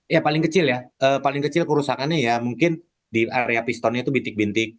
ya paling kecil ya paling kecil kerusakannya ya mungkin di area pistonnya itu bintik bintik